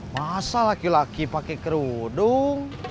masa laki laki pakai kerudung